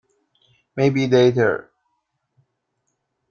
Maybe later.